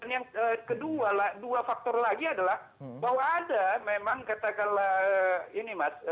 yang kedua dua faktor lagi adalah bahwa ada memang katakanlah ini mas